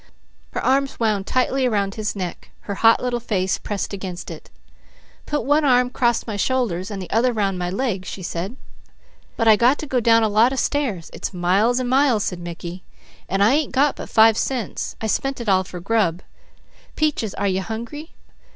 Her arms wound tightly around his neck. Her hot little face pressed against it. "Put one arm 'cross my shoulders, an' the other round my legs," she said. "But I got to go down a lot of stairs; it's miles and miles," said Mickey, "and I ain't got but five cents. I spent it all for grub. Peaches, are you hungry?"